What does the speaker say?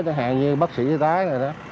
chẳng hạn như bác sĩ giới tái này đó